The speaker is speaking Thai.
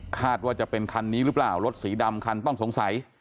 คาดว่าจะเป็นคันนี้หรือเปล่ารถสีดำคันต้องสงสัย